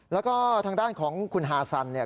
แล้วก็ทางด้านของคุณฮาซันเนี่ย